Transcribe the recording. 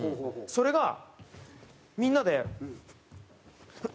それがみんなで。